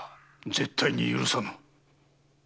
絶対に許さぬ！